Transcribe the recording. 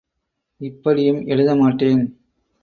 இப்படியும் எழுத மாட்டேன்.